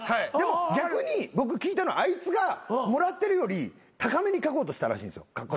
逆に僕聞いたのはあいつがもらってるより高めに書こうとしたらしいんですカッコつけて。